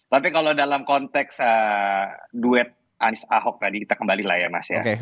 tapi kalau dalam konteks duet anies ahok tadi kita kembali lah ya mas ya